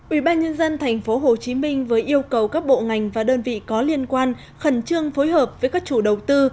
ủy ban nhân dân tp hcm vừa yêu cầu các bộ ngành và đơn vị có liên quan khẩn trương phối hợp với các chủ đầu tư